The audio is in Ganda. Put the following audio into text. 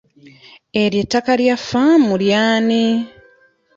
Eryo ettaka lya faamu ly'ani?